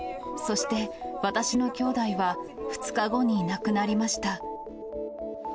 そして、私の兄弟は２日後に亡くなりました。